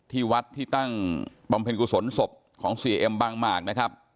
ที่วัดที่ตั้งบำเพ็ญกุศลศพของเสียเอ็มบางหมากนะครับ